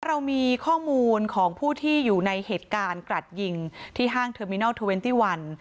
เรามีข้อมูลของผู้ที่อยู่ในเหตุการณ์กรัดยิงที่ห้างเทอร์มินอลเทอร์เวนตี้วัน